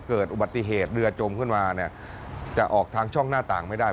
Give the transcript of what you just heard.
เกิดอุบัติเหตุเรือจมขึ้นมาเนี่ยจะออกทางช่องหน้าต่างไม่ได้